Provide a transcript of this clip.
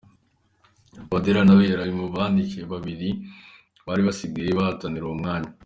Touadera nawe yari mu bakandida babiri bari basigaye bahatanira uwo mwanya.